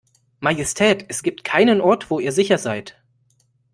Majestät, es gibt keinen Ort, wo ihr hier sicher seid.